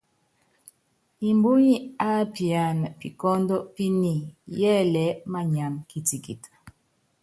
Mbúnyi ápiana pikɔ́ndɔ píni, yɛ́lɛɛ́ manyam kitikit.